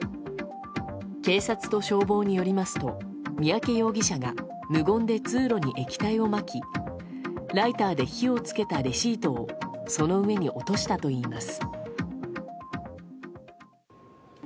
警察と消防によりますと三宅容疑者が無言で通路に液体をまきライターで火をつけたレシートをその上に落としたといいます。